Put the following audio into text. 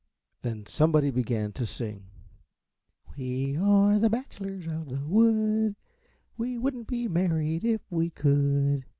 Then somebody began to sing, "We are the bachelors of the wood; we wouldn't be married if we could."